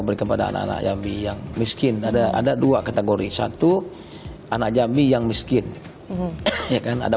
beri kepada anak anak jambi yang miskin ada ada dua kategori satu anak jambi yang miskin ya kan ada